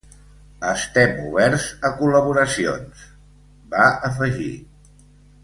“Estem oberts a col·laboracions”, va afegir.